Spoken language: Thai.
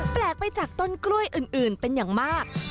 แปลกไปจากต้นกล้วยอื่นเป็นอย่างมาก